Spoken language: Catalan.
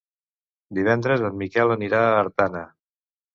Divendres en Miquel anirà a Artana.